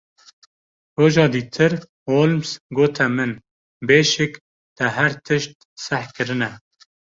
Roja dîtir Holmes gote min: Bêşik te her tişt seh kirine.